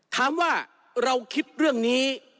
ถามว่าเราคิดเรื่องนี้